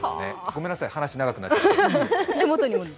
ごめんなさい、話、長くなっちゃって。